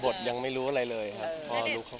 ยังไม่รู้อะไรเลยครับพอรู้เขา